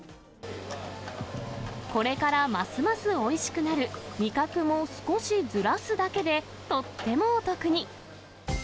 これからますますおいしくなる、味覚も少しずらすだけで、とってもお得に。